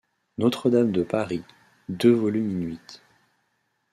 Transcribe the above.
Notre-Dame de Paris. — deux volumes in-huit°.